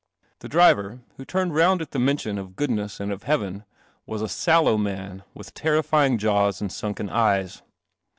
The driver, who turned round at the mention of goodness and of heaven, was a sallow man with terrifying jaws and sunken eyes.